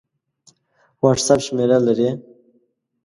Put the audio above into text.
وټس اپ شمېره لرئ؟